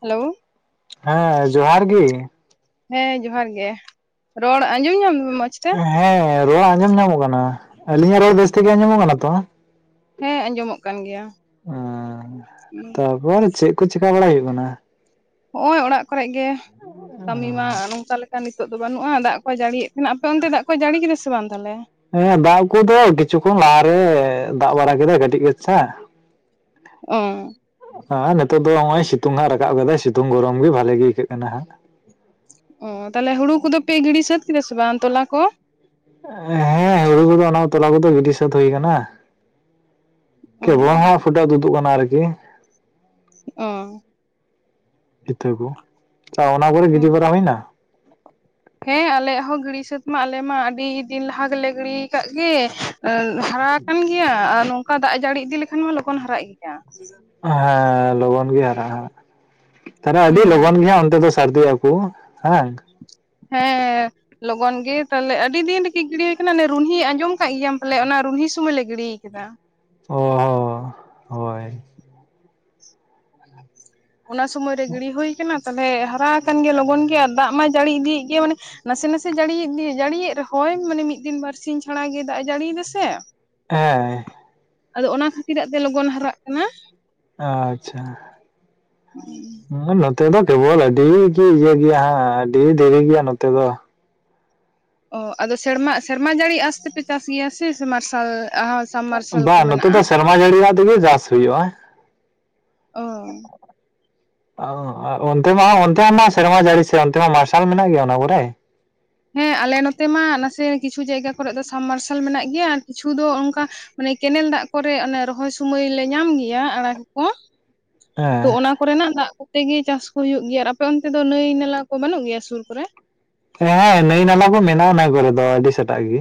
Hello ᱦᱮᱸ ᱡᱚᱦᱟᱨ ᱜᱮ ᱦᱮᱸ ᱡᱚᱦᱟᱨ ᱜᱮ ᱨᱚᱲ ᱟᱸᱡᱚᱢ ᱧᱟᱢ ᱢᱚᱸᱡᱽ ᱛᱮ ᱦᱮᱸ ᱨᱚᱲ ᱟᱸᱡᱚᱢ ᱧᱟᱢᱚᱜ ᱠᱟᱱᱟ ᱟᱞᱤᱧᱟᱜ ᱨᱚᱲ ᱵᱮᱥ ᱛᱮᱜᱮ ᱟᱸᱡᱚᱢᱚᱜ ᱠᱟᱱᱟ ᱛᱚ? ᱦᱮᱸ ᱟᱸᱡᱚᱢᱚᱜ ᱠᱟᱱ ᱜᱮᱭᱟ ᱾ ᱚ ᱛᱟᱯᱚᱨ ᱪᱮᱫ ᱠᱚ ᱪᱮᱠᱟ ᱵᱟᱲᱟᱭ ᱦᱩᱭᱩᱜ ᱠᱟᱱᱟ? ᱱᱚᱜᱼᱚᱭ ᱚᱲᱟᱜ ᱠᱚᱨᱮ ᱜᱮ ᱠᱟᱹᱢᱤ ᱢᱟ ᱱᱚᱝᱠᱟ ᱞᱮᱠᱟ ᱱᱤᱛᱚᱜ ᱫᱚ ᱵᱟᱹᱱᱩᱜᱼᱟ ᱫᱟᱜ ᱠᱚ ᱡᱟᱹᱲᱤᱭᱮᱫ ᱢᱮᱱ ᱮᱫᱟ ᱟᱯᱮ ᱚᱱᱛᱮ ᱫᱟᱜ ᱠᱚᱭ ᱡᱟᱹᱲᱤ ᱠᱮᱫᱟ ᱥᱮ ᱵᱟᱝ ᱛᱟᱦᱚᱞᱮ? ᱦᱮᱸ ᱫᱟᱜ ᱠᱚᱫᱚ ᱠᱤᱪᱷᱩ ᱠᱷᱚᱱ ᱞᱟᱦᱟ ᱨᱮ ᱫᱟᱜ ᱵᱟᱲᱟ ᱠᱮᱫᱟᱭ ᱠᱟᱹᱴᱤᱡ ᱠᱟᱪᱷᱟ, ᱚ ᱟᱨ ᱱᱤᱛᱚᱜ ᱫᱚ ᱱᱚᱜ-ᱚᱭ ᱥᱤᱛᱩᱝ ᱦᱟᱸᱜ ᱨᱟᱠᱟᱵ ᱟᱠᱟᱫᱟᱭ ᱥᱤᱛᱩᱝ ᱜᱚᱨᱚᱢ ᱜᱮ ᱵᱷᱟᱞᱮ ᱜᱮ ᱟᱹᱭᱠᱟᱹᱜ ᱠᱟᱱᱟ ᱦᱟᱸᱜ᱾ ᱚ ᱛᱟᱦᱚᱞᱮ ᱦᱩᱲᱩ ᱠᱚᱫᱚ ᱯᱮ ᱜᱤᱲᱰᱤ ᱥᱟᱹᱛ ᱠᱮᱫᱟ ᱥᱮ ᱵᱟᱝ ᱛᱚᱞᱟ ᱠᱚ? ᱦᱮᱸ ᱦᱩᱲᱩ ᱠᱚᱫᱚ ᱚᱱᱟ ᱛᱚᱞᱟ ᱠᱚᱫᱚ ᱜᱤᱰᱤ ᱥᱟᱹᱛ ᱦᱩᱭ ᱟᱠᱟᱱᱟ ᱾ ᱚ ᱠᱮᱵᱚᱞ ᱦᱟᱸᱜ ᱯᱷᱳᱴᱳ ᱛᱩᱫᱩᱜ ᱠᱟᱱᱟ ᱟᱨᱠᱤ ᱚ ᱤᱛᱟᱹ ᱠᱚ ᱟᱪᱪᱷᱟ ᱚᱱᱟ ᱠᱚᱨᱮ ᱜᱤᱰᱤ ᱵᱟᱲᱟ ᱦᱩᱭ ᱮᱱᱟ? ᱦᱮᱸ ᱟᱞᱮᱭᱟᱜ ᱦᱚᱸ ᱜᱤᱲᱤ ᱥᱟᱹᱛ ᱢᱟ ᱟᱞᱮ ᱢᱟ ᱟᱹᱰᱤ ᱫᱤᱱ ᱞᱟᱦᱟ ᱜᱮᱞᱮ ᱜᱤᱲᱤ ᱟᱠᱟᱫ ᱜᱮ᱾ ᱦᱟᱨᱟ ᱟᱠᱟᱱ ᱜᱮᱭᱟ ᱟᱨ ᱱᱚᱝᱠᱟ ᱫᱟᱜ ᱡᱟᱹᱲᱤ ᱤᱫᱤ ᱞᱮᱠᱷᱟᱱ ᱢᱟ ᱞᱚᱜᱚᱱ ᱦᱟᱨᱟᱜ ᱜᱮᱭᱟ᱾ ᱦᱮᱸ ᱞᱚᱜᱚᱱ ᱜᱮ ᱦᱟᱨᱟᱜ-ᱟ ᱛᱟᱦᱚᱞᱮ ᱟᱹᱰᱤ ᱦᱩᱸ ᱞᱚᱜᱚᱱ ᱜᱮ ᱚᱱᱛᱮ ᱫᱚ ᱥᱟᱨᱫᱤ ᱟᱠᱚ ᱦᱮᱸ ᱵᱟᱝ ᱦᱮᱸ ᱞᱚᱜᱚᱱ ᱜᱮ ᱛᱟᱦᱚᱞᱮ ᱟᱹᱰᱤ ᱫᱤᱱ ᱨᱤᱜᱤ ᱜᱤᱲᱤ ᱦᱩᱭ ᱟᱠᱟᱱᱟ ᱨᱩᱱᱦᱤ ᱟᱸᱡᱚᱢ ᱟᱠᱟᱫ ᱜᱮᱭᱟᱢ ᱯᱟᱞᱮ ᱚᱱᱟ ᱨᱩᱱᱦᱤ ᱥᱩᱢᱚᱭᱞᱮ ᱜᱤᱰᱤ ᱠᱟᱫᱟ ᱚ ᱦᱳᱭ ᱚᱱᱟ ᱥᱩᱢᱚᱭᱨᱮ ᱜᱤᱲᱤ ᱦᱩᱭ ᱠᱟᱱᱟ ᱛᱟᱦᱞᱮ ᱦᱟᱨᱟ ᱟᱠᱟᱱ ᱜᱮ ᱞᱚᱜᱚᱱ ᱜᱮ ᱟᱨ ᱫᱟᱜ ᱢᱟᱭ ᱡᱟᱹᱲᱤ ᱤᱫᱤᱭᱮᱫ ᱜᱮᱭᱟ ᱢᱟᱱᱮ ᱱᱟᱥᱮ ᱱᱟᱥᱮ ᱡᱟᱹᱲᱤᱭ ᱤᱫᱤ ᱡᱟᱹᱲᱤᱭᱮᱫ ᱨᱮᱦᱚᱸᱭ ᱢᱟᱱᱮ ᱢᱤᱫ ᱫᱤᱱ ᱵᱟᱨᱥᱤᱧ ᱪᱷᱟᱲᱟᱟᱜᱮ ᱫᱟᱜ ᱮ ᱡᱟᱹᱲᱤᱭ ᱫᱟᱥᱮ ᱦᱮᱸ ᱟᱫᱚ ᱚᱱᱟ ᱠᱷᱟᱹᱛᱤᱨᱟᱜ ᱛᱮ ᱞᱚᱜᱚᱱ ᱦᱟᱨᱟᱜ ᱠᱟᱱᱟ᱾ ᱟᱪᱪᱷᱟ᱾ ᱱᱚᱛᱮ ᱫᱚ ᱠᱮᱵᱚᱞ ᱟᱹᱰᱤ ᱜᱤ ᱤᱭᱟᱹ ᱜᱮᱭᱟ ᱦᱟᱸᱜ ᱟᱹᱰᱤ ᱫᱮᱨᱤ ᱜᱮᱭᱟ ᱱᱚᱛᱮ ᱫᱚ᱾ ᱚ ᱟᱫᱚ ᱥᱮᱨᱢᱟ ᱥᱮᱨᱢᱟ ᱡᱟᱹᱲᱤ ᱟᱥᱛᱮᱯᱮ ᱪᱟᱥ ᱜᱮᱭᱟ ᱥᱮ ᱥᱮ ᱢᱟᱨᱥᱟᱞ ᱟᱨ ᱥᱟᱢ ᱢᱟᱨᱥᱟᱞ ᱠᱚ ᱢᱮᱱᱟᱜᱼᱟ? ᱚᱱᱟ ᱡᱟᱹᱲᱤ‌ ᱫᱟᱜ ᱛᱮᱜᱮ ᱪᱟᱥ ᱦᱩᱭᱩᱜᱼᱟ᱾ ᱚ [unintelligible] ᱚᱱᱛᱮ ᱢᱟ ᱚᱱᱛᱮ ᱢᱟ ᱥᱮᱨᱢᱟ ᱡᱟᱹᱲᱤ ᱥᱮ ᱚᱱᱛᱮ ᱢᱟ ᱢᱟᱨᱥᱟᱞ ᱢᱮᱱᱟᱜ ᱜᱮᱭᱟ ᱚᱱᱟ ᱠᱚᱨᱮ? ᱦᱮᱸ ᱟᱞᱮ ᱱᱚᱛᱮ ᱢᱟ ᱱᱟᱥᱮ ᱠᱤᱪᱷᱩ ᱡᱟᱭᱜᱟ ᱠᱚᱨ ᱫᱚ ᱥᱟᱢ ᱢᱟᱨᱥᱟᱞ ᱢᱮᱱᱟᱜ ᱜᱮᱭᱟ ᱟᱨ ᱠᱤᱪᱷᱩ ᱫᱚ ᱚᱱᱠᱟ ᱢᱟᱱᱮ ᱠᱮᱱᱮᱞ ᱫᱟᱜ ᱠᱚᱨᱮ ᱚᱱᱮ ᱨᱚᱦᱚᱭ ᱥᱩᱢᱟᱹᱭ ᱞᱮ ᱧᱟᱢ ᱜᱮᱭᱟ ᱟᱲᱟᱜ ᱠᱚ᱾ ᱛᱚ ᱚᱱᱟ ᱠᱚᱨᱮᱱᱟᱜ ᱫᱟᱜ ᱠᱚᱛᱮ ᱜᱮ ᱪᱟᱥ ᱠᱚ ᱦᱩᱭᱩᱜ ᱜᱮᱭᱟ ᱟᱨ ᱟᱯᱮ ᱚᱱᱛᱮ ᱫᱚ ᱱᱟᱹᱭ ᱱᱟᱞᱟ ᱠᱚ ᱵᱟᱹᱱᱩᱜ ᱜᱮᱭᱟ ᱥᱩᱨ ᱠᱚᱨᱮ? ᱦᱮᱸ ᱱᱟᱹᱭ ᱱᱟᱞᱟ ᱠᱚ ᱢᱮᱱᱟᱜᱼᱟ ᱚᱱᱟ ᱠᱚᱨᱮ ᱫᱚ ᱟᱹᱰᱤ ᱥᱮᱛᱟᱜ ᱜᱮ᱾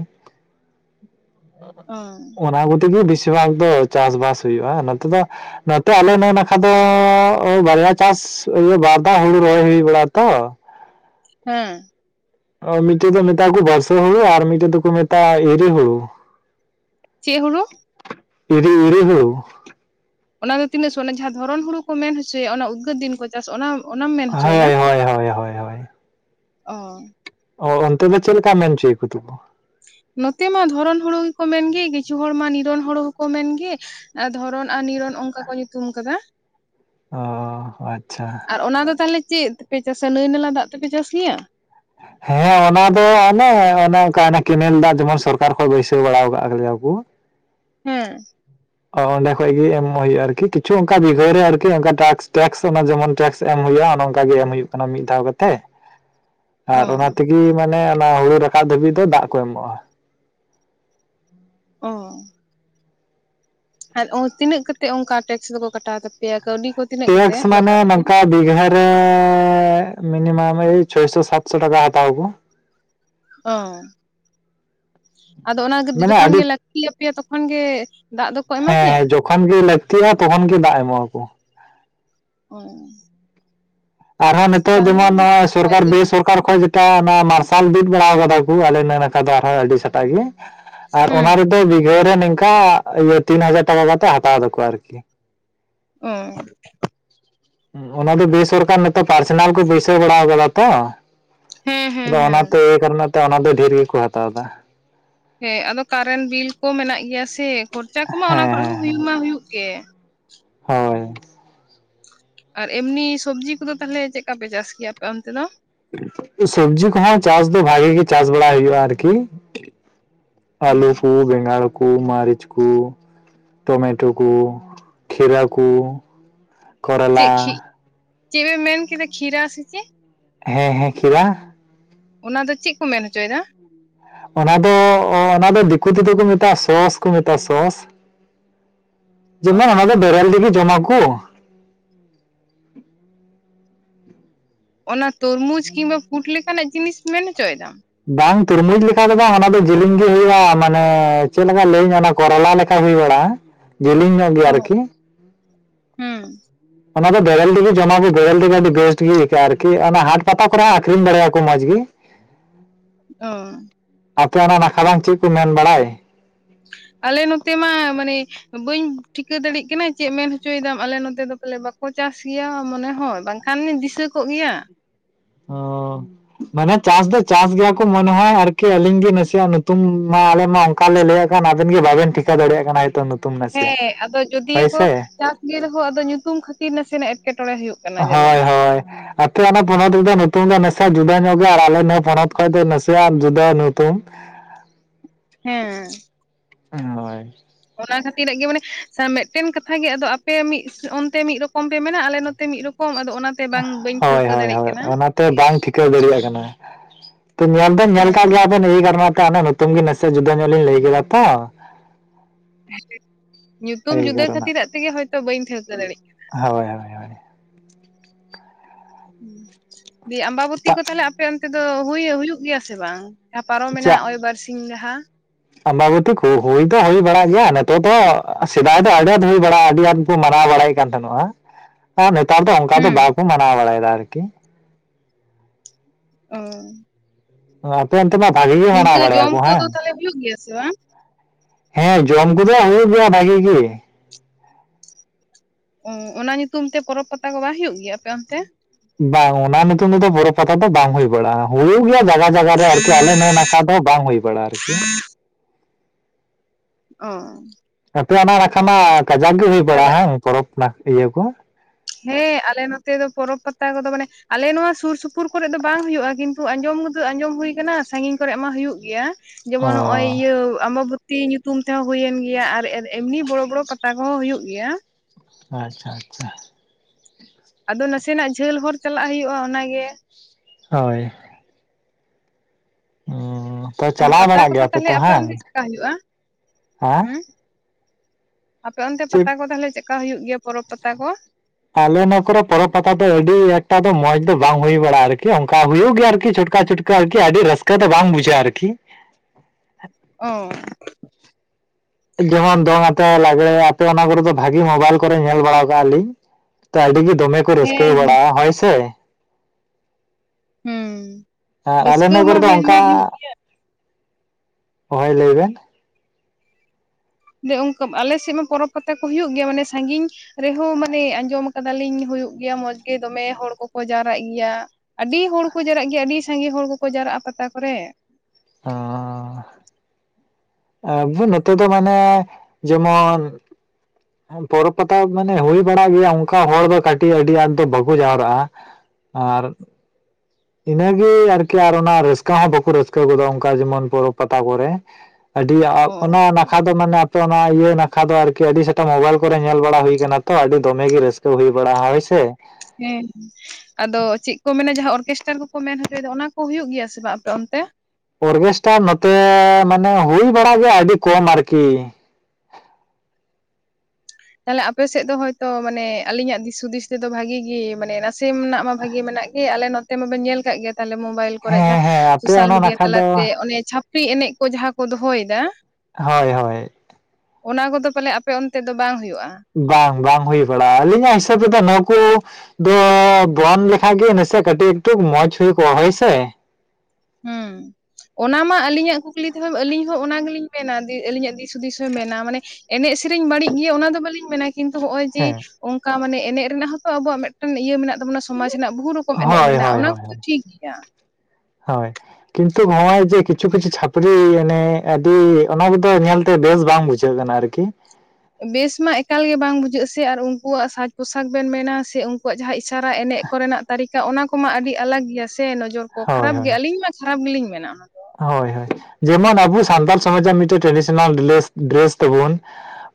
ᱚ ᱚᱱᱟ ᱠᱚᱛᱮᱜ ᱜᱮ ᱵᱮᱥᱤᱨ ᱵᱷᱟᱜᱽ ᱫᱚ ᱪᱟᱥᱵᱟᱥ ᱦᱩᱭᱩᱜᱼᱟ ᱱᱚᱛᱮ ᱫᱚ᱾ ᱱᱚᱛᱮ ᱟᱞᱮ ᱱᱚ ᱱᱟᱠᱷᱟ ᱫᱚ ᱵᱟᱨᱭᱟ ᱪᱟᱥ ᱵᱟᱨ ᱫᱷᱟᱜ ᱦᱩᱲᱩ ᱨᱚᱦᱚᱭ ᱦᱩᱭ ᱵᱟᱲᱟᱜᱼᱟ ᱛᱚ᱾ ᱦᱩᱸ ᱚ ᱢᱤᱫᱴᱮᱡ ᱫᱚ ᱢᱮᱛᱟᱜ ᱟᱠᱚ ᱵᱚᱨᱥᱚ ᱦᱩᱲᱩ ᱟᱨ ᱢᱤᱫᱴᱮᱡ ᱫᱚᱠᱚ ᱢᱮᱛᱟᱜᱼᱟ ᱮᱨᱤ ᱦᱩᱲᱩ ᱾ ᱪᱮᱜ ᱦᱩᱲᱩ? ᱮᱨᱮ ᱮᱨᱮ ᱦᱩᱲᱳ ᱚᱱᱟ ᱫᱚ ᱛᱤᱱᱟᱹᱜ ᱥᱚᱢ ᱡᱟᱦᱟᱸ ᱫᱷᱚᱨᱚᱱ ᱦᱩᱲᱩ ᱠᱚ ᱢᱮᱱ ᱦᱚᱪᱚᱭᱮᱜ ᱚᱱᱟ ᱩᱫᱽᱜᱟᱹᱨ ᱫᱤᱱ ᱠᱚ ᱪᱟᱥ ᱚᱱᱟ ᱚᱱᱟᱢ ᱢᱮᱱ ᱦᱚᱪᱚᱭᱮᱫᱟ? ᱦᱳᱭ ᱦᱳᱭ ᱦᱳᱭ ᱦᱳᱭ᱾ ᱚ ᱚ ᱚᱱᱛᱮ ᱫᱚ ᱪᱮᱜᱞᱮᱠᱟ ᱢᱮᱱᱪᱚᱭ ᱠᱚᱛᱮᱠᱚ ᱱᱚᱛᱮ ᱢᱟ ᱫᱷᱚᱨᱚᱱ ᱦᱩᱲᱩ ᱜᱮᱠᱚ ᱢᱮᱱᱜᱮ ᱠᱤᱪᱷᱩ ᱦᱚᱲᱢᱟ ᱱᱤᱨᱚᱱ ᱦᱩᱲᱩ ᱦᱚᱸᱠᱚ ᱢᱮᱱᱜᱮ ᱟᱨ ᱫᱷᱚᱨᱚᱱ ᱟᱨ ᱱᱤᱨᱚᱱ ᱚᱱᱠᱟ ᱠᱚ ᱧᱩᱛᱩᱢ ᱟᱠᱟᱫᱟ᱾ ᱚ ᱟᱪᱪᱷᱟ ᱟᱨ ᱚᱱᱟ ᱫᱚ ᱛᱟᱦᱚᱞᱮ ᱪᱮᱫ ᱛᱮᱯᱮ ᱪᱟᱥᱟ ᱱᱟᱹᱭ ᱱᱟᱸᱞᱟ ᱫᱟᱜ ᱛᱮᱯᱮ ᱪᱟᱥ ᱜᱮᱭᱟ ᱦᱮᱸ ᱚᱱᱟ ᱫᱚ ᱚᱱᱮ ᱚᱱᱮ ᱚᱱᱠᱟ ᱠᱮᱱᱮᱞ ᱫᱟᱜ ᱡᱮᱢᱚᱱ ᱥᱚᱨᱠᱟᱨ ᱠᱷᱚᱡ ᱵᱟᱹᱭᱥᱟᱹᱣ ᱵᱟᱲᱟ ᱟᱠᱟᱜᱮᱭᱟ ᱠᱚ ᱦᱮᱸ ᱚᱸᱚᱱᱰᱮ ᱠᱷᱚᱡ ᱜᱮ ᱮᱢᱚᱜ ᱦᱩᱭᱩᱜᱼᱟ ᱟᱨᱠᱤ ᱠᱤᱪᱷᱩ ᱚᱱᱠᱟ ᱵᱤᱜᱷᱟᱹ ᱨᱮ ᱟᱨᱠᱤ ᱚᱱᱠᱟ ᱴᱮᱠᱥ ᱚᱱᱟ ᱡᱮᱢᱚᱱ ᱴᱮᱠᱥ ᱮᱢ ᱦᱩᱭᱩᱜᱼᱟ ᱚᱱᱮ ᱚᱱᱠᱟᱟᱜ ᱜᱮ ᱮᱢ ᱦᱩᱭᱩᱜ ᱠᱟᱱᱟ ᱢᱤᱫ ᱫᱷᱟᱣ ᱠᱟᱛᱮ [unintelligible] ᱟᱨ ᱚᱱᱟ ᱛᱤᱜᱤ ᱢᱟᱱᱮ ᱚᱱᱟ ᱦᱩᱲᱩ ᱨᱟᱠᱟᱵ ᱫᱷᱟᱹᱵᱤᱡ ᱫᱚ ᱫᱟᱜ ᱠᱚ ᱮᱢᱚᱜᱼᱟ ᱚ ᱟᱨ ᱳ ᱛᱤᱱᱟᱹᱜ ᱠᱟᱛᱮᱜ ᱚᱱᱠᱟ ᱴᱮᱠᱥ ᱫᱚᱠᱚ ᱠᱟᱴᱟᱣ ᱛᱟᱯᱮᱭᱟ ᱠᱟᱹᱣᱰᱤ ᱠᱚ ᱛᱤᱱᱟᱹᱜ ᱠᱟᱛᱮ ᱞᱟᱜᱟᱣ ᱟᱯᱮᱭᱟ ᱵᱤᱜᱷᱟᱨ ᱨᱮᱻᱢᱤᱱᱤᱢᱟᱢ ᱪᱷᱚᱭ ᱥᱚ ᱥᱟᱛ ᱥᱚ ᱴᱟᱠᱟ ᱦᱟᱛᱟᱣ ᱟᱠᱚ ᱳ ᱟᱫᱚ ᱚᱱᱟ ᱢᱟᱱᱮ ᱡᱚᱠᱷᱚᱱ ᱟᱹᱰᱤ ᱜᱮ ᱞᱟᱹᱠᱛᱤ ᱟᱯᱮᱣᱟ ᱛᱚᱠᱷᱚᱱ ᱜᱮ ᱫᱟᱜ ᱫᱚᱠᱚ ᱮᱢᱟ ᱯᱮᱭᱟ ᱠᱷᱚᱱ ᱜᱤ ᱞᱟᱹᱠᱛᱤᱜᱼᱟ ᱛᱚᱠᱷᱚᱱ ᱜᱤ ᱫᱟᱜ ᱮᱢᱚᱜ ᱟᱠᱚ ᱦᱳ ᱟᱨᱦᱚᱸ ᱱᱤᱛᱚᱜ ᱡᱮᱢᱚᱱ ᱢᱟ ᱱᱚᱜᱼᱚᱭ ᱱᱟᱯᱟᱭ ᱥᱚᱨᱠᱟᱨ ᱜᱮ ᱵᱮᱥᱚᱨᱠᱟᱨ ᱠᱷᱚ ᱛᱟ ᱚᱱᱟ ᱢᱟᱨᱥᱟᱞ ᱵᱤᱫ ᱵᱟᱲᱟᱣ ᱠᱟᱫᱟ ᱠᱚ ᱟᱞᱮ ᱱᱚ ᱱᱟᱠᱷᱟ ᱫᱚ ᱟᱨᱦᱚᱸ ᱟᱹᱰᱤ ᱥᱟᱴᱟ ᱜᱤ ᱟᱨ ᱚᱱᱟ ᱦᱮᱸ ᱨᱮᱫᱚ ᱵᱤᱜᱷᱟᱹ ᱨᱮ ᱱᱤᱝᱠᱟ ᱤᱭᱟᱹ ᱛᱤᱱ ᱦᱟᱡᱟᱨ ᱴᱟᱠᱟ ᱠᱟᱛᱮ ᱦᱟᱛᱟᱣ ᱫᱟᱠᱚ ᱟᱨᱠᱤ ᱚ ᱚᱱᱟ ᱫᱚ ᱵᱮᱥᱚᱨᱠᱟᱨ ᱱᱤᱛᱚᱜ ᱯᱟᱨᱥᱚᱱᱟᱞ ᱠᱚ ᱵᱟᱹᱭᱥᱟᱹᱣ ᱵᱟᱲᱟ ᱟᱠᱟᱫᱟ ᱛᱚ ᱦᱮᱸ ᱦᱮᱸ ᱟᱫᱚ ᱦᱮᱸ ᱚᱱᱟᱛᱮ ᱤᱭᱟᱹ ᱠᱟᱨᱚᱱᱮ ᱛᱮ ᱚᱱᱟ ᱫᱚ ᱰᱷᱮᱨ ᱜᱮᱠᱚ ᱦᱟᱛᱟᱣ ᱫᱟ ᱦᱮᱸ ᱟᱫᱚ ᱠᱟᱨᱮᱱᱴ ᱵᱤᱞ ᱠᱚ ᱢᱮᱱᱟᱜ ᱜᱮᱭᱟ ᱥᱮ ᱠᱷᱚᱨᱪᱟ ᱠᱚᱢᱟ ᱚᱱᱟ ᱦᱮᱸ ᱠᱚᱨᱮ ᱦᱮᱸ ᱦᱚᱸ ᱦᱮᱸ ᱦᱩᱭᱩᱜ ᱢᱟ ᱦᱩᱭᱩᱜ ᱜᱮ ᱦᱳᱭ ᱟᱨ ᱮᱢᱱᱤ ᱥᱚᱵᱽᱡᱤ ᱠᱚᱫᱚ ᱛᱟᱦᱚᱞᱮ ᱪᱮᱫ ᱞᱮᱠᱟᱯᱮ ᱪᱟᱥ ᱜᱮᱭᱟᱮ ᱟᱯᱮ ᱚᱱᱛᱮ ᱫᱚ ᱥᱚᱵᱡᱤ ᱠᱚᱦᱚᱸ ᱪᱟᱥ ᱫᱚ ᱵᱷᱟᱜᱤ ᱜᱮ ᱪᱟᱥ ᱵᱟᱲᱟ ᱦᱩᱭᱩᱜᱼᱟ ᱟᱨᱠᱤ ᱟᱹᱞᱩ ᱠᱩ ᱵᱮᱸᱜᱟᱲ ᱠᱩ ᱢᱟᱹᱨᱤᱪ ᱠᱩ ᱴᱚᱢᱮᱴᱳ ᱠᱚ ᱠᱷᱮᱨᱟ ᱠᱚ ᱪᱮᱫ ᱠᱷᱤᱜ ᱠᱚᱨᱚᱞᱟ ᱪᱮᱜ ᱵᱤᱱ ᱢᱮᱱ ᱠᱮᱫᱟ ᱠᱷᱤᱨᱟ ᱥᱮ ᱪᱮᱫ ᱦᱮᱸ ᱦᱮᱸ ᱠᱷᱤᱨᱟ ᱚᱱᱟ ᱫᱚ ᱪᱮᱫ ᱠᱚ ᱢᱮᱱ ᱦᱚᱪᱚᱭ ᱫᱟ ᱚᱱᱟ ᱫᱚ ᱚᱱᱟ ᱫᱚ ᱫᱤᱠᱩ ᱛᱮᱫᱚ ᱠᱚ ᱢᱮᱛᱟᱜᱼᱟ ᱥᱚᱸᱥ ᱠᱚ ᱢᱮᱛᱟᱜᱼᱟ ᱥᱚᱸᱥ ᱚ ᱡᱮᱢᱚᱱ ᱚᱱᱟ ᱫᱚ ᱵᱮᱨᱮᱞ ᱛᱮᱜᱮ ᱡᱚᱢ ᱟᱠᱩ ᱚᱱᱟ ᱛᱚᱨᱢᱩᱡᱽ ᱠᱤᱱᱵᱟ ᱯᱩᱰ ᱞᱮᱠᱟᱱᱟᱜ ᱡᱤᱱᱤᱥ ᱢᱮᱱ ᱚᱪᱚᱭᱹ ᱫᱟᱢ ᱵᱟᱝ ᱛᱩᱨᱢᱩᱡ ᱞᱮᱠᱟᱷᱟ ᱫᱚ ᱵᱟᱝ ᱚᱱᱟ ᱫᱚ ᱡᱮᱞᱮᱧ ᱜᱮ ᱦᱩᱭᱩᱜᱼᱟ ᱢᱟᱱᱮ ᱪᱮᱫᱞᱮᱠᱟ ᱞᱟᱹᱭᱟᱹᱧ ᱚᱱᱟ ᱠᱚᱨᱚᱞᱟ ᱞᱮᱠᱟ ᱦᱩᱭ ᱵᱟᱲᱟᱜᱼᱟ ᱡᱮᱞᱮᱧ ᱧᱚᱜ ᱜᱮᱭᱟ ᱟᱨᱠᱤ ᱦᱩᱸ ᱚᱱᱟ ᱫᱚ ᱵᱮᱨᱮᱞᱛᱤᱜᱮ ᱡᱚᱢᱟᱵᱚ ᱵᱮᱨᱮᱞ ᱛᱮᱜᱮᱢ ᱟᱹᱰᱤ ᱵᱮᱥᱴ ᱜᱮ ᱟᱹᱭᱠᱟᱹᱜᱼᱟ ᱟᱨᱠᱤ ᱚᱱᱟ ᱦᱟᱴ ᱯᱟᱛᱟ ᱠᱚᱨᱟ ᱟᱠᱨᱤᱧ ᱵᱟᱲᱟᱭᱟᱠᱟ ᱠᱚ ᱢᱚᱡᱽ ᱜᱤ ᱳ ᱟᱯᱮ ᱚᱱᱟ ᱱᱟᱠᱷᱟ ᱫᱟᱝ ᱪᱮᱫ ᱠᱚ ᱢᱮᱱ ᱵᱟᱲᱟᱭ ᱟᱞᱮ ᱱᱚᱛᱮ ᱢᱟ ᱢᱟᱱᱮ ᱵᱟᱹᱧ ᱴᱷᱤᱠᱟᱹ ᱫᱟᱲᱮᱭᱟᱜ ᱠᱟᱱᱟ ᱪᱮᱫ ᱢᱮᱱ ᱦᱚᱪᱚᱭᱮᱫᱟᱢ ᱟᱞᱮ ᱱᱚᱛᱮ ᱫᱚ ᱯᱟᱞᱮ ᱵᱟᱠᱚ ᱪᱟᱥ ᱜᱮᱭᱟ ᱢᱚᱱᱮ ᱦᱚᱭ ᱵᱟᱝ ᱠᱷᱟᱱ ᱫᱤᱥᱟᱹ ᱠᱚᱜ ᱜᱮᱭᱟ ᱚ ᱢᱟᱱᱮ ᱪᱟᱥ ᱫᱚ ᱪᱟᱥ ᱜᱮᱭᱟ ᱠᱚ ᱢᱚᱱᱮ ᱦᱚᱸᱭ ᱟᱨᱠᱤ ᱟᱹᱞᱤᱧ ᱜᱮ ᱱᱟᱥᱮᱭᱟᱜ ᱱᱩᱛᱩᱢ ᱢᱟ ᱟᱞᱮ ᱢᱟ ᱚᱱᱠᱟ ᱞᱮ ᱞᱟᱹᱭᱟᱜ ᱠᱟᱱ ᱟᱵᱮᱱ ᱜᱮ ᱵᱟᱵᱮᱱ ᱴᱷᱤᱠᱟᱹ ᱫᱟᱲᱮᱭᱟᱜ ᱠᱟᱱᱟ ᱦᱚᱭᱛᱳ ᱱᱩᱛ ᱦᱮᱸ ᱟᱫᱚ ᱡᱳᱚᱫᱤᱭᱳ ᱠᱚ ᱪᱟᱥ ᱜᱮ ᱨᱮᱦᱚᱸ ᱟᱫᱚ ᱧᱩᱛᱩᱢ ᱠᱷᱟᱹᱛᱤᱨ ᱱᱟᱥᱮᱱᱟᱜ ᱮᱴᱠᱮᱴᱚᱬᱮ ᱦᱩᱭᱩᱜ ᱠᱟᱱᱟ ᱦᱳᱭ ᱡᱟᱹᱱᱤᱡ ᱦᱳᱭ ᱟᱯᱮ ᱚᱱᱟ ᱯᱚᱱᱚᱛ ᱨᱮᱫᱚ ᱱᱩᱛᱩ ᱫᱚ ᱱᱟᱥᱮᱟᱜ ᱡᱩᱫᱟᱹ ᱧᱚᱜ ᱜᱮᱭᱟ ᱟᱨ ᱟᱞᱮ ᱱᱚᱣᱟ ᱯᱚᱱᱚᱛ ᱠᱚᱨᱮ ᱫᱚ ᱱᱟᱥᱮᱭᱟᱜ ᱡᱩᱫᱟᱹ ᱱᱩᱛᱩᱢ ᱦᱮᱸ ᱦᱩᱸ ᱦᱚᱭ ᱚᱱᱟ ᱠᱷᱟᱹᱛᱤᱨᱟᱜ ᱜᱮ ᱢᱟᱱᱮ ᱢᱤᱫᱴᱮᱱ ᱠᱟᱛᱷᱟ ᱜᱮ ᱟᱫᱚ ᱟᱯᱮ ᱢᱤᱫ ᱚᱱᱛᱮ ᱢᱤᱫ ᱨᱚᱠᱚᱢ ᱯᱮ ᱢᱮᱱᱟ ᱟᱞᱮ ᱱᱚᱛᱮ ᱢᱤᱫ ᱨᱚᱠᱚᱢ ᱠᱚᱢ ᱟᱫᱚ ᱚᱱᱟ ᱟᱸᱦ ᱦᱳᱭ ᱦᱳᱭ ᱦᱳᱭ ᱚᱱᱟᱛᱮ ᱵᱟᱝ ᱴᱷᱤᱠᱟᱹᱣ ᱫᱟᱲᱮᱭᱟᱜ ᱠᱟᱱᱟ ᱛᱚ ᱧᱮᱞ ᱫᱚᱢ ᱧᱮᱞ ᱠᱟᱜ ᱦᱮᱸ ᱜᱮᱭᱟ ᱟᱵᱚ [unintelligible] ᱛᱟ ᱚᱱᱟ ᱱᱩᱛᱩᱢ ᱜᱮ ᱱᱟᱥᱮᱭᱟᱜ ᱡᱩᱫᱟᱹ ᱧᱚᱜ ᱞᱤᱧ ᱞᱟᱹᱭ ᱠᱮᱫᱟ ᱛᱚ ᱧᱩᱛᱩᱢ ᱮᱭ ᱡᱩᱫᱟᱹ ᱠᱟᱨᱚᱱᱟᱜ ᱠᱷᱟᱹᱛᱤᱨ ᱟᱜ ᱛᱮ ᱦᱳᱭᱛᱳ ᱵᱟᱹᱧ ᱴᱷᱟᱹᱣᱠᱟᱹ ᱫᱟᱲᱮᱭᱟᱜ ᱦᱳᱭ ᱦᱳᱭ ᱦᱳᱭ ᱦᱩᱸ ᱫᱤᱭᱮ ᱟᱢᱵᱟᱵᱚᱛᱤ ᱠᱚ ᱛᱟᱦᱚᱞᱮ ᱟᱯᱮ ᱚᱱᱛᱮ ᱫᱚ ᱦᱩᱭ ᱦᱩᱭᱩᱜ ᱜᱮᱭᱟ ᱥᱮ ᱵᱟᱝ ᱡᱟᱦᱟᱸ ᱯᱟᱨᱚᱢ ᱮᱱᱟ ᱪᱮᱫ ᱱᱚᱜ-ᱚᱭ ᱵᱟᱨᱥᱤᱧ ᱞᱟᱦᱟ ᱟᱢᱵᱟᱵᱚᱛᱤ ᱠᱚ ᱦᱩᱭ ᱫᱚ ᱦᱩᱭ ᱵᱟᱲᱟᱜ ᱜᱮᱭᱟ ᱱᱤᱛᱚᱜ ᱫᱚ ᱥᱮᱫᱟᱭ ᱫᱚ ᱟᱹᱰᱤ ᱟᱸᱴ ᱦᱩᱭ ᱵᱟᱲᱟᱜᱼᱟ ᱟᱹᱰᱤ ᱟᱸᱴ ᱠᱩ ᱢᱟᱱᱟᱣ ᱵᱟᱲᱟᱭ ᱮᱫ ᱠᱟᱱ ᱛᱟᱦᱮᱱᱚᱜ-ᱟ [inaudible] ᱚ ᱱᱮᱛᱟᱨ ᱫᱚ ᱚᱱᱠᱟ ᱫᱚ ᱦᱩᱸ ᱵᱟᱠᱚ ᱢᱟᱱᱟᱣ ᱵᱟᱲᱟᱭ ᱫᱟ ᱟᱨᱠᱤ ᱟᱹ ᱟᱯᱮ ᱚᱱᱛᱮ ᱢᱟ ᱵᱷᱟᱜᱤ ᱜᱮ ᱵᱟᱲᱟᱭᱟ ᱡᱚᱢ ᱠᱚ ᱠᱚᱫᱚ ᱦᱟᱠ ᱛᱟᱦᱚᱞᱮ ᱦᱩᱭᱩᱜ ᱜᱮᱭᱟ ᱥᱮ ᱵᱟᱝ? ᱦᱮᱸ ᱡᱚᱢ ᱠᱚᱫᱚ ᱦᱩᱭᱩᱜ ᱜᱮᱭᱟ ᱵᱷᱟᱜᱤ ᱜᱤ ᱚ ᱚᱱᱟ ᱧᱩᱛᱩᱢ ᱛᱮ ᱯᱚᱨᱚᱵᱽ ᱯᱟᱛᱟ ᱠᱚ ᱵᱟ ᱦᱳᱭᱳᱜ ᱜᱮᱭᱟ ᱟᱯᱮ ᱚᱱᱛᱮ ᱵᱟᱝ ᱚᱱᱟ ᱱᱩᱛᱩᱢ ᱛᱮᱫᱚ ᱵᱚᱨᱚ ᱯᱟᱛᱟ ᱫᱚ ᱵᱟᱝ ᱦᱩᱭ ᱵᱟᱲᱟᱜᱼᱟ ᱦᱩᱲᱩ ᱜᱮᱭᱟ ᱡᱟᱜᱟ ᱡᱟᱜᱟ ᱨᱮ ᱟᱨᱠᱤ ᱟᱞᱮ ᱱᱟᱹᱱᱟᱠᱟᱷᱟ ᱫᱚ ᱵᱟᱝ ᱦᱩᱭ ᱵᱟᱲᱟᱜᱼᱟ ᱟᱨᱠᱤ ᱟᱹ ᱟᱯᱮ ᱚᱱᱟ ᱱᱟᱠᱷᱟ ᱢᱟ ᱠᱟᱡᱟᱠ ᱜᱮ ᱦᱩᱭ ᱛᱟᱦᱚᱞᱮ ᱵᱟᱲᱟᱜᱼᱟ ᱦᱮ ᱵᱟᱝ ᱯᱚᱨᱚᱵᱽ ᱤᱭᱟᱹ ᱠᱚ ᱦᱮᱸ ᱟᱞᱮ ᱱᱚᱛᱮ ᱫᱚ ᱯᱚᱨᱚᱵᱽ ᱯᱟᱛᱟ ᱠᱚᱫᱚ ᱢᱟᱱᱮ ᱟᱞᱮ ᱱᱚᱣᱟ ᱥᱩᱨ ᱥᱩᱯᱩᱨ ᱠᱚᱨᱮ ᱫᱚ ᱵᱟᱝ ᱦᱩᱭᱩᱜᱼᱟ ᱾ ᱠᱤᱱᱛᱩ ᱠᱤᱱᱛᱩ ᱟᱸᱡᱚᱢ ᱫᱚ ᱟᱸᱡᱚᱢ ᱦᱩᱭ ᱟᱠᱟᱱᱟ ᱥᱟᱺᱜᱤᱧ ᱠᱚᱨᱮ ᱢᱟ ᱦᱳᱭᱳᱜ ᱜᱮᱭᱟ ᱚ ᱡᱮᱢᱚᱱ ᱱᱚᱜ-ᱚᱭ ᱤᱭᱟᱹ ᱟᱢᱵᱟᱵᱚ ᱛᱤ ᱧᱩᱛᱩᱢ ᱛᱮᱦᱚᱸ ᱦᱳᱭᱮᱱ ᱜᱮᱭᱟ ᱟᱨ ᱮᱢᱱᱤ ᱵᱚᱲᱚ ᱵᱚᱲᱚ ᱯᱟᱛᱟ ᱠᱚᱦᱚ ᱦᱩᱭᱩᱜ ᱜᱮᱭᱟ ᱟᱪᱪᱷᱟ ᱟᱪᱪᱷᱟ ᱟᱫᱚ ᱱᱟᱥᱮᱱᱟᱜ ᱡᱷᱟᱹᱞ ᱦᱚᱨ ᱪᱟᱞᱟᱜ ᱦᱩᱭᱩᱜᱼᱟ ᱚᱱᱟᱜᱮ ᱦᱳᱭ ᱛᱚ ᱟᱨ ᱪᱟᱞᱟᱣ ᱯᱟᱛᱟ ᱵᱟᱲᱟᱜ ᱠᱚᱫᱚ ᱜᱮᱭᱟᱯᱮ ᱛᱟᱦᱚᱞᱮ ᱛᱚ ᱟᱯᱮ ᱦᱟᱝ ᱚᱱᱛᱮ ᱪᱮᱫ ᱠᱟ ᱦᱩᱭᱩᱜᱼᱟ ᱦᱮᱸ ᱟᱯᱮ ᱚᱱᱛᱮ ᱪᱮᱫ ᱯᱟᱛᱟ ᱠᱚ ᱛᱟᱦᱚᱞᱮ ᱪᱮᱫ ᱠᱟ ᱦᱩᱭᱩᱜ ᱜᱮᱭᱟ ᱯᱚᱨᱚᱵᱽ ᱯᱟᱛᱟ ᱠᱚ ᱟᱞᱮ ᱱᱚᱣᱟ ᱠᱚᱨᱮ ᱯᱚᱨᱚᱵᱽ ᱯᱟᱛᱟ ᱫᱚ ᱟᱹᱰᱤ ᱮᱠᱴᱟ ᱫᱚ ᱢᱚᱡᱽ ᱫᱚ ᱵᱟᱝ ᱦᱩᱭ ᱵᱟᱲᱟᱜᱼᱟ ᱟᱨᱠᱤ ᱚᱱᱠᱟ ᱦᱩᱭᱩᱜ ᱜᱮᱭᱟ ᱟᱨᱠᱤ ᱪᱷᱩᱴᱠᱟ ᱪᱷᱩᱴᱠᱟ ᱟᱨᱠᱤ ᱟᱹᱰᱤ ᱨᱟᱹᱥᱠᱟᱹ ᱫᱚ ᱵᱟᱝ ᱵᱩᱡᱷᱟᱹᱜᱼᱟ ᱟᱨᱠᱤ ᱚ ᱡᱮᱢᱚᱱ ᱫᱚᱝ ᱟᱛᱮ ᱞᱟᱜᱽᱲᱮ ᱟᱯᱮ ᱚᱱᱟ ᱠᱚᱨᱮ ᱫᱚ ᱵᱷᱟᱜᱮ ᱢᱳᱵᱟᱭᱤᱞ ᱠᱚᱨᱮ ᱧᱮᱞ ᱵᱟᱲᱟ ᱠᱟᱜᱼᱟ ᱞᱤᱧ ᱛᱚ ᱟᱹᱰᱤ ᱜᱮ ᱫᱚᱢᱮ ᱠᱚ ᱨᱟᱹᱥᱠᱟᱹ ᱦᱮᱸ ᱵᱟᱲᱟᱜᱼᱟ ᱦᱳᱭ ᱥᱮ ᱦᱮᱸ ᱟᱨ ᱟᱞᱮ ᱨᱟᱹᱥᱠᱟᱹ ᱱᱚᱣᱟ ᱢᱟ ᱠᱚᱨᱮ ᱫᱚ ᱦᱩᱭ ᱢᱟ ᱚᱱᱠᱟ ᱦᱩᱭᱩᱜ ᱜᱮᱭᱟ ᱦᱳᱭ ᱞᱟᱹᱭ ᱵᱮᱱ ᱚᱱᱠᱟ ᱟᱞᱮ ᱥᱮᱫ ᱢᱟ ᱯᱚᱨᱚᱵᱽ ᱯᱟᱛᱟ ᱠᱚ ᱦᱩᱭᱩᱜ ᱜᱮᱭᱟ ᱢᱟᱱᱮ ᱥᱟᱺᱜᱤᱧ ᱨᱮᱦᱚᱸ ᱢᱟᱱᱮ ᱟᱸᱡᱚᱢ ᱠᱟᱫᱟ ᱞᱤᱧ ᱦᱩᱭᱩᱜ ᱜᱮᱭᱟ ᱢᱚᱸᱡᱽ ᱜᱮ ᱫᱚᱢᱮ ᱦᱚᱲ ᱠᱚᱠᱚ ᱡᱟᱣᱨᱟᱜ ᱜᱮᱭᱟ ᱟᱹᱰᱤ ᱦᱚᱲ ᱠᱚ ᱡᱟᱣᱨᱟᱜ ᱜᱮᱭᱟ ᱟᱹᱰᱤ ᱥᱟᱸᱜᱮ ᱦᱚᱲ ᱠᱚ ᱠᱚ ᱡᱟᱣᱨᱟᱜᱼᱟ ᱯᱟᱛᱟ ᱠᱚᱨᱮ [inaudible] ᱟᱵᱚ ᱱᱚᱛᱮ ᱫᱚ ᱢᱟᱱᱮ ᱡᱮᱢᱚᱱ ᱯᱚᱨᱚᱵᱽ ᱯᱟᱛᱟ ᱢᱟᱱᱮ ᱦᱩᱭ ᱵᱟᱲᱟᱜ ᱜᱮᱭᱟ ᱚᱱᱠᱟ ᱦᱚᱲ ᱫᱚ ᱠᱟᱹᱴᱤᱡ ᱟᱹᱰᱤ ᱟᱸᱴ ᱫᱚ ᱵᱟᱠᱚ ᱡᱟᱣᱨᱟᱜᱼᱟ ᱟᱨ ᱤᱱᱟᱹ ᱜᱮ ᱟᱨᱠᱤ ᱟᱨ ᱚᱱᱟ ᱨᱟᱹᱥᱠᱟᱹ ᱦᱚᱸ ᱵᱟᱠᱚ ᱨᱟᱹᱥᱠᱟᱹ ᱜᱚᱫᱚᱜ ᱚᱱᱠᱟ ᱡᱮᱢᱚᱱ ᱯᱚᱨᱚᱵᱽ ᱯᱟᱛᱟ ᱠᱚᱨᱮ ᱟᱹᱰᱤ ᱚ ᱚᱱᱟ ᱱᱟᱠᱷᱟ ᱫᱚ ᱢᱟᱱᱮ ᱚᱱᱟ ᱤᱭᱟᱹ ᱱᱟᱠᱷᱟ ᱫᱚ ᱟᱨᱠᱤ ᱟᱹᱰᱤ ᱥᱮᱴᱟ ᱢᱳᱵᱟᱭᱤᱞ ᱠᱚᱨᱮ ᱧᱮᱞ ᱵᱟᱲᱟ ᱦᱩᱭ ᱟᱠᱟᱱᱟ ᱛᱚ ᱟᱹᱰᱤ ᱫᱚᱢᱮ ᱜᱮ ᱨᱟᱹᱥᱠᱟᱹ ᱦᱩᱭ ᱵᱟᱲᱟᱜᱼᱟ ᱦᱳᱭ ᱥᱮ ᱦᱮᱸ ᱟᱫᱚ ᱪᱮᱫ ᱠᱚ ᱢᱮᱱᱟ ᱡᱟᱦᱟ ᱚᱨᱠᱮᱥᱴᱟᱨ ᱠᱚᱠᱚ ᱢᱮᱱ ᱦᱚᱪᱚᱭᱟ ᱚᱱᱟ ᱠᱚ ᱦᱩᱭᱩᱜ ᱜᱮᱭᱟ ᱥᱮ ᱵᱟᱝ ᱟᱯᱮ ᱚᱱᱛᱮ ᱚᱨᱜᱮᱥᱴᱟᱨ ᱱᱚᱛᱮ ᱢᱟᱱᱮ ᱦᱩᱭ ᱵᱟᱲᱟᱜ ᱜᱮᱭᱟ ᱟᱹᱰᱤ ᱠᱚᱢ ᱟᱨᱠᱤ ᱛᱟᱦᱚᱞᱮ ᱟᱯᱮ ᱥᱮᱫ ᱫᱚ ᱦᱳᱭ ᱛᱳ ᱢᱟᱱᱮ ᱟᱹᱞᱤᱧᱟᱜ ᱫᱤᱥ ᱦᱩᱫᱤᱥ ᱛᱮᱫᱚ ᱵᱷᱟᱜᱤ ᱜᱮ ᱢᱟᱱᱮ ᱥᱤᱢ ᱨᱮᱱᱟᱜ ᱢᱟ ᱵᱷᱟᱜᱤ ᱢᱮᱱᱟᱜ ᱜᱮ ᱟᱞᱮ ᱱᱚᱛᱮ ᱢᱟᱵᱮᱱ ᱧᱮᱞ ᱟᱠᱟᱜ ᱜᱮᱭᱟ ᱛᱟᱦᱚᱞᱮ ᱢᱳᱵᱟᱭᱤᱞ ᱠᱚ ᱨᱮ ᱡᱟᱦᱟ ᱦᱮᱸ ᱦᱮᱸ ᱟᱯᱮ ᱥᱳᱥᱟᱞ ᱚᱱᱟ ᱢᱤᱰᱤᱭᱟ ᱱᱟᱠᱷᱟ ᱛᱟᱞᱟ ᱫᱚ ᱛᱮ ᱚᱱᱮ ᱪᱷᱟᱯᱲᱤ ᱮᱱᱮᱡ ᱠᱚ ᱡᱟᱦᱟ ᱠᱚ ᱫᱚᱦᱚᱭᱮᱫᱟ ᱦᱳᱭ ᱦᱳᱭ ᱚᱱᱟ ᱠᱚᱫᱚ ᱯᱟᱞᱮᱜ ᱟᱯᱮ ᱚᱱᱛᱮ ᱫᱚ ᱵᱟᱝ ᱦᱩᱭᱩᱜ-ᱟ ᱵᱟᱝ ᱵᱟᱝ ᱦᱩᱭ ᱵᱟᱲᱟᱜ-ᱟ ᱟᱹᱞᱤᱧᱟᱜ ᱦᱤᱥᱟᱹᱵᱽ ᱛᱮᱫᱚ ᱱᱩᱠᱩ ᱫᱚ ᱵᱚᱱᱽ ᱞᱮᱠᱷᱟᱡ ᱜᱮ ᱱᱟᱥᱮ ᱠᱟᱹᱴᱤᱡ ᱮᱠᱴᱩ ᱢᱚᱸᱡᱽ ᱦᱩᱭ ᱠᱚᱜ-ᱟ ᱦᱳᱭ ᱥᱮ ᱦᱮᱸ ᱚᱱᱟ ᱢᱟ ᱟᱹᱞᱤᱧᱟᱜ ᱠᱩᱠᱞᱤ ᱛᱮᱦᱚ ᱟᱹᱞᱤᱧ ᱦᱚᱸ ᱚᱱᱟ ᱜᱮᱞᱤᱧ ᱢᱮᱱᱟ ᱟᱹᱞᱤᱧᱟᱜ ᱫᱤᱥ ᱦᱩᱫᱤᱥ ᱦᱚᱭ ᱢᱮᱱᱟ ᱢᱟᱱᱮ ᱮᱱᱮᱡ ᱥᱮᱨᱮᱧ ᱵᱟᱹᱲᱤᱡ ᱜᱮᱭᱟ ᱚᱱᱟ ᱫᱚ ᱵᱟᱹᱞᱤᱧ ᱢᱮᱱᱟ ᱠᱤᱱᱛᱩ ᱱᱚᱜ ᱚᱭ ᱡᱮ ᱦᱮᱸ ᱚᱱᱠᱟ ᱢᱟᱱᱮ ᱮᱱᱮᱡ ᱨᱮᱱᱟᱜ ᱦᱚᱸ ᱛᱚ ᱟᱵᱚᱣᱟᱜ ᱢᱤᱫ ᱢᱤᱫᱴᱮᱱ ᱤᱭᱟᱹ ᱢᱮᱱᱟᱜ ᱛᱟᱵᱚᱱᱟ ᱥᱚᱢᱟᱡᱽ ᱨᱮᱱᱟᱜ ᱵᱚᱦᱩ ᱨᱚᱠᱚᱢ ᱮᱱᱮᱡ ᱦᱳᱭ ᱢᱮᱱᱟᱜ-ᱟ ᱦᱳᱭ ᱚᱱᱟ ᱦᱳᱭ ᱠᱚᱫᱚ ᱴᱷᱤᱠ ᱜᱮᱭᱟ ᱦᱳᱭ ᱠᱤᱱᱛᱩ ᱱᱚᱜ-ᱚᱭ ᱡᱮ ᱠᱤᱪᱷᱩ ᱠᱤᱪᱷᱩ ᱪᱷᱟᱯᱨᱤ ᱮᱱᱮ ᱟᱹᱰᱤ ᱚᱱᱟ ᱠᱚᱫᱚ ᱧᱮᱞ ᱛᱮ ᱵᱮᱥ ᱵᱟᱝ ᱵᱩᱡ ᱷᱟᱹᱜ ᱠᱟᱱᱟ ᱟᱨᱠᱤ ᱵᱮᱥ ᱢᱟ ᱮᱠᱟᱞ ᱜᱮ ᱵᱟᱝ ᱵᱩᱡᱷᱟᱹᱜ ᱥᱮ ᱟᱨ ᱩᱱᱠᱩᱣᱟᱜ ᱥᱟᱡᱽ ᱯᱳᱚᱥᱟᱠ ᱵᱮᱱ ᱢᱮᱱᱟ ᱥᱮ ᱟᱠᱚᱣᱟᱜ ᱡᱟᱦᱟᱸ ᱤᱥᱟᱨᱟ ᱮᱱᱮᱡ ᱠᱚᱨᱮᱱᱟᱜ ᱛᱟᱹᱨᱤᱠᱟ ᱚᱱᱟ ᱠᱚᱢᱟ ᱟᱹᱰᱤ ᱟᱞᱟᱜᱽ ᱜᱮᱭᱟ ᱥᱮ ᱱᱚᱡᱚᱨ ᱠᱚ ᱦᱳᱭ ᱠᱷᱟᱨᱟᱯ ᱦᱳᱭ ᱜᱮᱭᱟ ᱟᱹᱞᱤᱧ ᱢᱟ ᱠᱷᱟᱨᱟᱯ ᱜᱮᱞᱤᱧ ᱢᱮᱱᱟ ᱚᱱᱟ ᱦᱳᱭ ᱦᱳᱭ ᱡᱮᱢᱚᱱ ᱟᱵᱚ ᱥᱟᱱᱛᱟᱲ ᱥᱚᱢᱟᱡᱽᱟᱜ ᱢᱤᱫᱴᱮᱱ ᱴᱨᱮᱰᱤᱥᱚᱱᱟᱞ ᱰᱨᱮᱥ ᱛᱟᱵᱚᱱ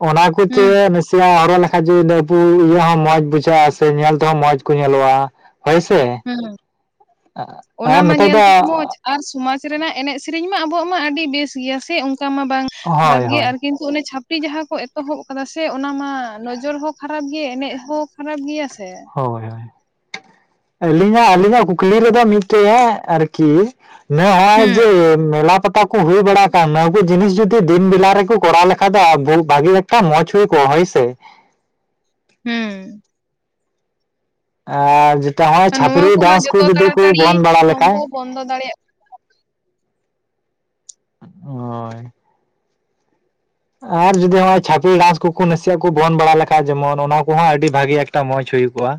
ᱚᱱᱟ ᱠᱚᱛᱮ ᱨᱟᱹᱥ ᱥᱮ ᱦᱚᱨᱚᱜ ᱞᱮᱠᱷᱟᱡ [unintelligible] ᱤᱭᱟᱹ ᱦᱚᱸ ᱢᱚᱡᱽ ᱵᱩᱡᱷᱟᱹᱜ-ᱟ ᱥᱮ ᱧᱮᱞ ᱛᱮᱦᱚᱸ ᱢᱚᱡᱽ ᱠᱚ ᱧᱮᱞᱚᱜ-ᱟ ᱦᱳᱭ ᱥᱮ ᱦᱩᱸ ᱦᱩᱸ ᱚᱱᱟ ᱟᱨ ᱢᱟ ᱱᱤᱛᱚᱜ ᱧᱮᱞ ᱫᱚ ᱛᱮᱦᱚᱸ ᱢᱚᱡᱽ ᱟᱨ ᱥᱚᱢᱟᱡᱽ ᱨᱮᱱᱟᱜ ᱮᱱᱮᱡ ᱥᱮᱨᱮᱧ ᱢᱟ ᱟᱵᱚᱣᱟᱜ ᱢᱟ ᱟᱹᱰᱤ ᱵᱮᱥ ᱜᱮᱭᱟ ᱥᱮ ᱚᱱᱠᱟ ᱢᱟ ᱵᱟᱝ ᱠᱷᱟᱨᱟᱯ ᱦᱳᱭ ᱜᱮᱭᱟ ᱦᱳᱭ ᱟᱨ ᱠᱤᱱᱛᱩ ᱚᱱᱮ ᱪᱷᱟᱯᱲᱤ ᱡᱟᱦᱟᱸ ᱠᱚ ᱮᱛᱚᱦᱚᱵ ᱟᱠᱟᱫᱟ ᱥᱮ ᱚᱱᱟ ᱢᱟ ᱱᱚᱡᱚᱨ ᱦᱚᱸ ᱠᱷᱟᱨᱟᱯ ᱜᱮ ᱮᱱᱮᱡ ᱦᱚᱸ ᱠᱷᱟᱨᱟᱯ ᱜᱮᱭᱟ ᱥᱮ᱾ ᱦᱳᱭ ᱦᱳᱭ ᱟᱹᱞᱤᱧᱟᱜ ᱟᱹᱞᱤᱧᱟᱜ ᱠᱩᱠᱞᱤ ᱨᱮᱫᱚ ᱢᱤᱫᱴᱮᱡ ᱮ ᱟᱨᱠᱤ ᱱᱮ ᱟᱭ ᱦᱩᱸ ᱡᱮ ᱢᱮᱞᱟ ᱯᱟᱛᱟ ᱠᱚ ᱦᱩᱭ ᱵᱟᱲᱟ ᱟᱠᱟᱱ ᱱᱚᱣᱟ ᱠᱩ ᱡᱤᱱᱤᱥ ᱡᱩᱫᱤ ᱫᱤᱱ ᱵᱮᱞᱟ ᱨᱮᱠᱚ ᱠᱚᱨᱟᱣ ᱞᱮᱠᱷᱟᱡ ᱫᱚ ᱟ-ᱵᱷᱩ-ᱵᱷᱟᱜᱤ ᱮᱠᱴᱟ ᱢᱚᱡᱽ ᱦᱩᱭ ᱠᱚᱜ-ᱟ ᱦᱳᱭᱥᱮ᱾ ᱦᱩᱸ᱾ ᱟᱨ ᱡᱮᱴᱟ ᱦᱚᱜᱼᱚᱭ ᱱᱚᱣᱟ ᱪᱷᱟᱯᱨᱤ ᱠᱚᱢᱟ ᱰᱟᱱᱥ ᱠᱩ ᱡᱚᱛᱚ ᱡᱩᱫᱤ ᱠᱩ ᱛᱟᱲᱟᱛᱟᱲᱤ ᱵᱚᱱᱫ ᱵᱟᱲᱟ ᱞᱮᱠᱷᱟᱡ᱾ ᱥᱚᱢᱵᱷᱚᱵ ᱵᱚᱱᱫᱚ ᱫᱟᱲᱮᱭᱮᱜ ᱦᱳᱭ᱾ ᱟᱨ ᱡᱩᱫᱤ ᱦᱚᱜᱼᱚᱭ ᱪᱷᱟᱯᱤ ᱰᱟᱱᱥ ᱠᱩᱠᱩ ᱱᱟᱥᱤᱭᱟᱜ ᱠᱩ ᱵᱚᱱᱫ ᱵᱟᱲᱟ ᱞᱮᱠᱷᱟᱡ ᱡᱮᱢᱚᱱ ᱚᱱᱟ ᱠᱚᱦᱚᱸ ᱟᱹᱰᱤ ᱵᱷᱟᱜᱮ ᱮᱠᱴᱟ ᱢᱚᱡᱽ ᱦᱩᱭ ᱠᱚᱜ-ᱟ᱾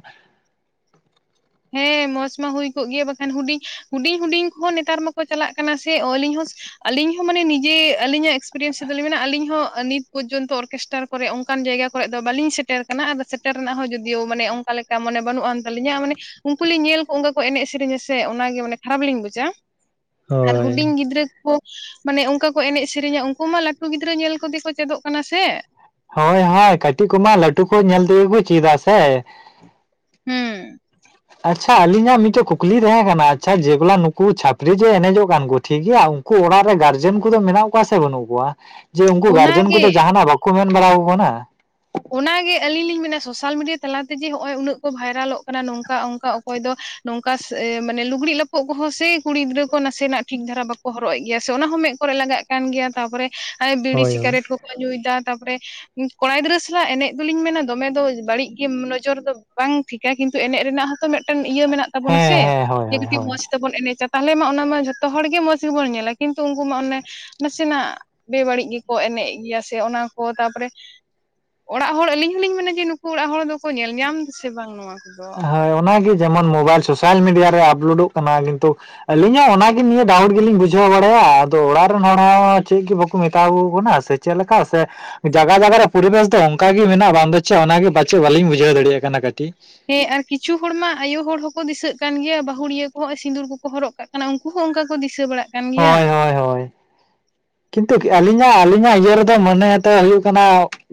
ᱦᱮᱸ ᱢᱚᱸᱪ ᱢᱟ ᱦᱩᱭ ᱠᱚᱜ ᱜᱮ ᱵᱟᱠᱷᱟᱱ ᱦᱩᱰᱤᱧ ᱦᱩᱰᱤᱧᱼᱦᱩᱰᱤᱧ ᱠᱚᱦᱚᱸ ᱱᱮᱛᱟᱨ ᱢᱟᱠᱚ ᱪᱟᱞᱟᱜ ᱠᱟᱱᱟ ᱥᱮ ᱚᱞᱤᱧ ᱦᱚᱸ ᱟᱞᱤᱧ ᱦᱚᱸ ᱢᱟᱱᱮ ᱱᱤᱡᱮ ᱟᱹᱞᱤᱧᱟᱜ ᱮᱠᱥᱯᱤᱨᱤᱭᱮᱱᱥ ᱫᱚᱞᱤᱧ ᱢᱮᱱᱟ ᱟᱞᱤᱧ ᱦᱚᱸ ᱱᱤᱛ ᱯᱚᱡᱚᱱᱛᱚ ᱚᱨᱠᱮᱥᱴᱟᱨ ᱠᱚᱨᱮ ᱚᱱᱠᱟᱱ ᱡᱟᱭᱜᱟ ᱠᱚᱨᱮᱜ ᱫᱚ ᱵᱟᱹᱞᱤᱧ ᱥᱮᱴᱮᱨ ᱠᱟᱱᱟ ᱟᱫᱚ ᱥᱮᱴᱮᱨ ᱨᱮᱱᱟᱜ ᱦᱚᱸ ᱡᱩᱫᱤᱭᱳ ᱢᱟᱱᱮ ᱚᱱᱠᱟ ᱞᱮᱠᱟ ᱢᱟᱱᱮ ᱵᱟᱹᱱᱩᱜ ᱟᱱ ᱛᱟᱹᱞᱤᱧᱟ ᱢᱟᱱᱮ ᱩᱱᱠᱩ ᱞᱤᱧ ᱧᱮᱞ ᱠᱚ ᱚᱱᱠᱟ ᱠᱚ ᱮᱱᱮᱡ ᱥᱮᱨᱮᱧᱟ ᱥᱮ ᱚᱱᱟᱜᱮ ᱢᱟᱱᱮ ᱠᱷᱟᱨᱟᱯ ᱞᱤᱧ ᱵᱩᱪᱟ ᱟᱨ ᱦᱳᱭ ᱦᱩᱰᱤᱧ ᱜᱤᱫᱽᱨᱟᱹ ᱠᱳ ᱢᱟᱱᱮ ᱚᱱᱠᱟ ᱠᱚ ᱮᱱᱮᱡ ᱥᱮᱨᱮᱧᱟ ᱩᱱᱠᱩ ᱢᱟ ᱞᱟᱹᱴᱩ ᱜᱤᱫᱽᱨᱟᱹ ᱧᱮᱞ ᱠᱚᱫᱮ ᱠᱚ ᱪᱮᱫᱚᱜ ᱠᱟᱱᱟ ᱥᱮ᱾ ᱦᱳᱭ ᱦᱟᱭ ᱠᱟᱹᱴᱤᱡ ᱠᱚᱢᱟ ᱞᱟᱹᱴᱩ ᱠᱚ ᱧᱮᱞ ᱛᱮᱜᱮ ᱠᱚ ᱪᱤᱫᱟ ᱥᱮ᱾ ᱦᱩᱸ᱾ ᱟᱪᱪᱷᱟ ᱟᱹᱞᱤᱧᱟᱜ ᱢᱤᱫᱴᱮ ᱠᱩᱠᱞᱤ ᱛᱮᱦᱮ ᱠᱟᱱᱟ ᱟᱪᱪᱷᱟ ᱡᱮᱜᱚᱞᱟ ᱱᱩᱠᱩ ᱪᱷᱟᱯᱨᱤ ᱡᱮ ᱮᱱᱮᱡᱚᱜ ᱠᱟᱱ ᱠᱚ ᱴᱷᱤᱠ ᱜᱮᱭᱟ ᱠᱩ ᱚᱲᱟᱜ ᱨᱮ ᱜᱟᱨᱡᱮᱱ ᱠᱚᱫᱚ ᱢᱮᱱᱟᱜ ᱠᱚᱣᱟ ᱥᱮ ᱵᱟᱹᱱᱩᱜ ᱠᱚᱣᱟ? ᱡᱮ ᱩᱱᱠᱩ ᱜᱟᱨᱡᱮᱱ ᱚᱱᱟᱜᱮ ᱠᱚᱫᱚ ᱡᱟᱦᱱᱟᱜ ᱵᱟᱠᱚ ᱢᱮᱱ ᱵᱟᱲᱟᱣ ᱟᱠᱚ ᱠᱟᱱᱟ? ᱚᱱᱟᱜᱮ ᱟᱹᱞᱤᱧ ᱞᱤᱧ ᱢᱮᱱᱟ ᱥᱳᱥᱟᱞ ᱢᱤᱰᱤᱭᱟᱹ ᱛᱟᱞᱟ ᱛᱮᱜᱮ ᱦᱚᱜᱼᱚᱭ ᱩᱱᱟᱹᱜ ᱠᱚ ᱵᱷᱟᱭᱨᱟᱞᱚᱜ ᱠᱟᱱᱟ ᱱᱚᱝᱠᱟ ᱚᱝᱠᱟ ᱚᱠᱚᱭ ᱫᱚ ᱱᱚᱝᱠᱟ ᱥᱮ ᱮ ᱢᱟᱱᱮ ᱞᱩᱜᱽᱲᱤᱡ ᱞᱟᱯᱚᱜ ᱠᱚᱦᱚᱸ ᱥᱮ ᱠᱩᱲᱤ ᱜᱤᱫᱽᱨᱟᱹ ᱠᱚ ᱱᱟᱥᱮ ᱱᱟᱜ ᱴᱷᱤᱠ ᱫᱷᱟᱨᱟ ᱵᱟᱠᱚ ᱦᱚᱨᱚᱜ ᱮᱜ ᱜᱮᱭᱟ ᱥᱮ ᱚᱱᱟ ᱦᱚᱸ ᱢᱮᱜ ᱠᱚᱨᱮ ᱞᱟᱜᱟᱜ ᱠᱟᱱ ᱜᱮᱭᱟ ᱛᱟᱯᱚᱨᱮ ᱦᱟᱭ ᱵᱤᱲᱤ ᱦᱳᱭ ᱦᱳᱭ᱾ ᱥᱤᱠᱟᱨᱮᱴ ᱠᱚᱠᱚ ᱧᱩᱭ ᱫᱟ ᱛᱟᱯᱚᱨᱮ ᱩᱸ ᱠᱚᱲᱟ ᱜᱤᱫᱽᱨᱟᱹ ᱥᱮ ᱡᱟᱜ ᱮᱱᱮᱡ ᱫᱩᱞᱤᱧ ᱢᱮᱱᱟ ᱫᱚᱢᱮ ᱫᱚ ᱵᱟᱹᱲᱤᱡ ᱜᱮᱢ ᱱᱚᱡᱚᱨ ᱫᱚ ᱵᱟᱝ ᱴᱷᱤᱠᱟ ᱠᱤᱱᱛᱩ ᱮᱱᱮᱡ ᱨᱮᱱᱟᱜ ᱦᱚᱸᱛᱚ ᱢᱮᱜ ᱴᱮᱱ ᱤᱭᱟᱹ ᱢᱮᱱᱟᱜ ᱛᱟᱵᱚᱱᱟ ᱥᱮ᱾ ᱦᱮᱸ ᱦᱮᱸ ᱦᱳᱭ ᱡᱮ ᱦᱳᱭ ᱠᱟᱹᱴᱤᱜ ᱦᱳᱭ᱾ ᱢᱚᱸᱥ ᱛᱮᱵᱚᱱ ᱮᱱᱮᱪᱟ ᱛᱟᱦᱚᱞᱮ ᱢᱟ ᱚᱱᱟ ᱢᱟ ᱡᱷᱚᱛᱚ ᱦᱚᱲ ᱜᱮ ᱢᱚᱸᱡᱽ ᱜᱮᱵᱚᱱ ᱧᱮᱞᱟ ᱠᱤᱱᱛᱩ ᱩᱱᱠᱩ ᱢᱟ ᱚᱱᱮ᱾ ᱱᱟᱥᱤᱱᱟᱜ ᱵᱮᱼᱵᱟᱹᱲᱤᱡ ᱜᱮᱠᱚ ᱮᱱᱮᱡ ᱮᱜ ᱜᱮᱭᱟ ᱥᱮ ᱚᱱᱟ ᱠᱚ, ᱛᱟᱯᱚᱨᱮ ᱚᱲᱟᱜ ᱦᱚᱲ ᱟᱹᱞᱤᱧ ᱦᱚᱞᱤᱧ ᱢᱮᱱᱟ ᱡᱮ ᱱᱩᱠᱩ ᱚᱲᱟᱜ ᱦᱚᱲ ᱫᱚᱠᱚ ᱧᱮᱞ ᱧᱟᱢ ᱫᱟᱥᱮ ᱵᱟᱝ ᱱᱚᱣᱟ᱾ ᱠᱚᱫᱚ ᱦᱳ ᱚᱱᱟᱜᱮ ᱡᱮᱢᱚᱱ ᱢᱳᱵᱟᱭᱤᱞ ᱥᱳᱥᱟᱞ ᱢᱤᱰᱤᱭᱟ ᱨᱮ ᱟᱯᱞᱳᱰᱳᱜ ᱠᱟᱱᱟ, ᱠᱤᱱᱛᱩ ᱟᱹᱞᱤᱧ ᱦᱚᱸ ᱚᱱᱟ ᱜᱤ ᱱᱤᱭᱟᱹ ᱰᱟᱣᱩᱴ ᱜᱮᱞᱤᱧ ᱵᱩᱡᱷᱟᱹᱣ ᱵᱟᱲᱟᱭᱟ ᱟᱫᱚ ᱚᱲᱟᱜ ᱨᱮᱱ ᱦᱚᱲ ᱦᱚᱸ ᱪᱮᱜ ᱜᱮ ᱵᱟᱠᱩ ᱢᱮᱛᱟᱣ ᱟᱠᱩ ᱠᱟᱱᱟ ᱥᱮ᱾ ᱪᱮᱞᱠᱟ ᱥᱮ ᱡᱟᱭᱜᱟ ᱡᱟᱭᱜᱟ ᱨᱮ ᱯᱚᱨᱤᱵᱮᱥ ᱫᱚ ᱚᱱᱠᱟ ᱜᱮ ᱢᱮᱱᱟᱜᱼᱟ ᱵᱟᱝ ᱫᱚ ᱪᱮᱜ ᱚᱱᱟ ᱜᱮ ᱯᱟᱪᱮᱜ ᱵᱟᱞᱤᱧ ᱵᱩᱡᱷᱟᱹᱣ ᱫᱟᱲᱮᱭᱟᱜ ᱠᱟᱱᱟ ᱠᱟᱹᱴᱤ᱾ ᱦᱮᱸ ᱟᱨ ᱠᱤᱪᱷᱩ ᱦᱚᱲ ᱢᱟ ᱟᱭᱳ ᱦᱚᱲ ᱦᱚᱸ ᱠᱚ ᱫᱤᱥᱟᱹᱜ ᱠᱟᱱ ᱜᱮᱭᱟ ᱵᱟᱹᱦᱩᱲᱤᱭᱟᱹ ᱠᱚᱦᱚᱸ ᱥᱤᱸᱫᱩᱨ ᱠᱚᱠᱚ ᱦᱚᱨᱚᱜ ᱠᱟᱜ ᱠᱟᱱᱟ ᱩᱱᱠᱩ ᱦᱚᱸ ᱚᱱᱠᱟ ᱠᱚ ᱫᱤᱥᱟᱹ ᱵᱟᱲᱟᱜ ᱠᱟᱱ ᱜᱮᱭᱟ ᱦᱳᱭ ᱦᱳᱭ ᱦᱳᱭ ᱠᱤᱱᱛᱩ ᱠᱤ ᱦᱩᱸ ᱟᱹᱞᱤᱧᱟᱜ ᱟᱹᱞᱤᱧᱟᱜ ᱤᱭᱟᱹ ᱨᱮ ᱛᱮ ᱢᱚᱱᱮ ᱟᱛᱮᱜ ᱦᱩᱭᱩᱜ ᱠᱟᱱᱟ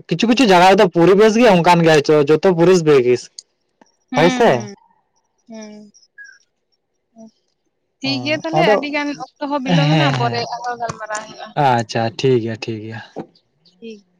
ᱠᱤᱪᱷᱩ ᱠᱤᱪᱷᱩ ᱡᱟᱭᱜᱟ ᱨᱮᱫᱚ ᱯᱚᱨᱤᱵᱮᱥ ᱜᱮ ᱚᱱᱠᱟᱱ ᱜᱮᱭᱟ ᱦᱳᱪᱳ ᱡᱚᱛᱚ ᱯᱚᱨᱤᱥ ᱵᱮ ᱡᱮᱥ, ᱦᱳᱭ ᱦᱩᱸ ᱥᱮ᱾ ᱦᱩᱸ᱾ ᱴᱷᱤ ᱜᱮᱭᱟ ᱛᱟᱦᱚᱞᱮ ᱟᱫᱚ ᱟᱹᱰᱤ ᱜᱟᱱ ᱚᱠᱛᱚ ᱦᱚᱸ ᱵᱤᱞᱚᱢᱮᱱᱟ ᱯᱚᱨᱮ ᱟᱨᱚ ᱜᱟᱞᱢᱟᱨᱟᱣ ᱦᱩᱭᱩᱜᱼᱟ᱾ ᱪᱟ ᱴᱷᱤ ᱜᱮᱭᱟ ᱴᱷᱤ ᱜᱮᱭᱟ᱾ [inaudible]